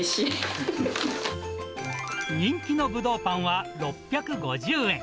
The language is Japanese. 人気のぶどうパンは６５０円。